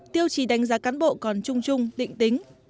tiêu chỉ đánh giá cán bộ còn trung trung định tính